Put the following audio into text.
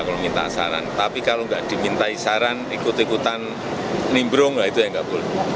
kalau minta saran tapi kalau nggak dimintai saran ikut ikutan nimbrung lah itu yang nggak boleh